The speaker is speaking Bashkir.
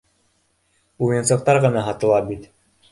Уйынсыҡтар ғына һатыла бит.